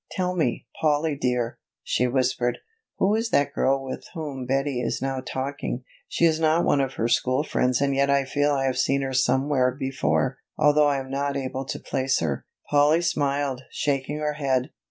"Tell me, Polly dear," she whispered, "who is that girl with whom Betty is now talking? She is not one of her school friends and yet I feel I have seen her somewhere before, though I am not able to place her." Polly smiled, shaking her head.